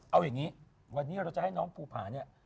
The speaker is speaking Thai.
เอาอย่างนี้วันนี้เราจะให้น้องภูผาเนี่ย